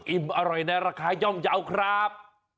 อิ่มอร่อยในราคาย่อมเยาว์ครับ